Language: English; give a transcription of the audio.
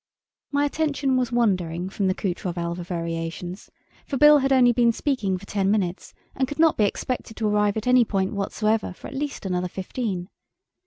My attention was wandering from the Kutrov Alva variations, for Bill had only been speaking for ten minutes, and could not be expected to arrive at any point whatsoever for at least another fifteen.